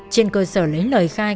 trên cơ sở lấy lời khai